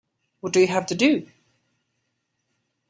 What do you have to do?